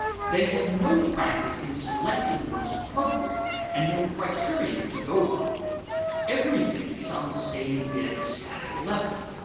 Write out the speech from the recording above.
They have no practice in selecting what is appropriate, and no criterion to go by; everything is on the same dead static level.